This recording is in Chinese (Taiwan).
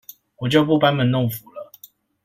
我就不班門弄斧了